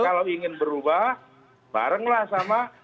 kalau ingin berubah barenglah sama